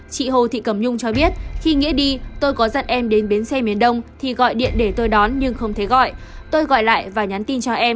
chị hồ thị cầm nhung cho biết